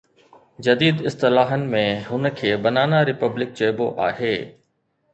جديد اصطلاحن ۾ هن کي ’بنانا ريپبلڪ‘ چئبو آهي.